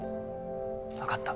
分かった。